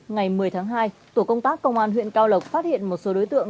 ngày một mươi tháng hai tổ công tác công an huyện cao lộc phát hiện một số đối tượng